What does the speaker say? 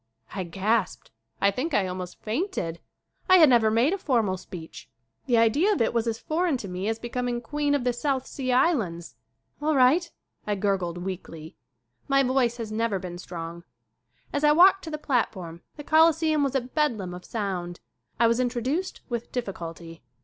I gasped. I think I almost fainted. I had never made a formal speech. The idea of it 43 44 SCREEN ACTING was as foreign to me as becoming Queen of the South Sea Islands. "All right," I gurgled weakly. My voice has never been strong. As I walked to the platform the Coliseum was a bedlam of sound. I was introduced with diffi culty.